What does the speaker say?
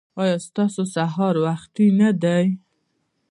ایا ستاسو سهار وختي نه دی؟